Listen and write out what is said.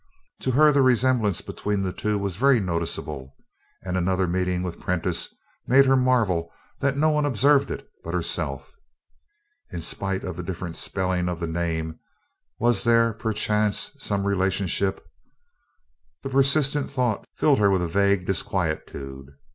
To her, the resemblance between the two was very noticeable, and another meeting with Prentiss made her marvel that no one observed it but herself. In spite of the different spelling of the name, was there, perchance, some relationship? The persistent thought filled her with a vague disquietude.